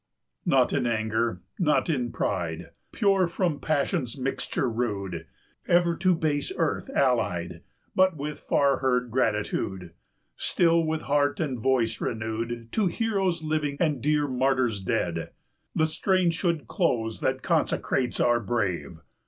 Not in anger, not in pride, Pure from passion's mixture rude, Ever to base earth allied, 350 But with far heard gratitude, Still with heart and voice renewed, To heroes living and dear martyrs dead, The strain should close that consecrates our brave.